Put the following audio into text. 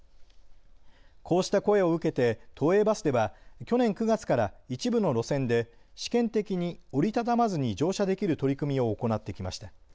こうした声を受けて都営バスでは去年９月から一部の路線で試験的に折り畳まずに乗車できる取り組みを行ってきました。